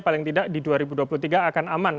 paling tidak di dua ribu dua puluh tiga akan aman